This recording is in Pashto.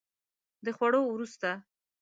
د خوړو وروسته